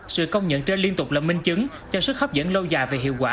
sự công nhận trên liên tục là minh chứng cho sức hấp dẫn lâu dài và hiệu quả